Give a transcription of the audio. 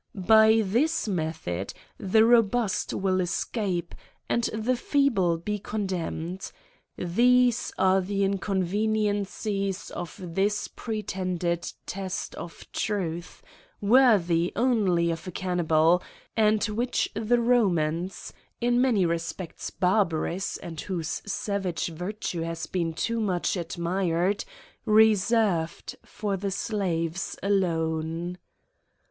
By this method the robust will escape , and the feeble be condemned. These ^re the incouveniencies of this pretended test pf truth, worthy only of a can nibal, and which the Ronians, in many respects barba^spus, and whose savage virtue has been too much admired, reserved for the slaves alone.